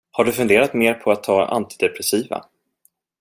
Har du funderat mer på att ta antidepressiva?